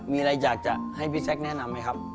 มีอะไรอยากจะให้พี่แซคแนะนำไหมครับ